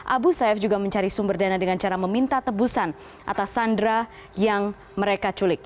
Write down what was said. abu sayyaf juga mencari sumber dana dengan cara meminta tebusan atas sandra yang mereka culik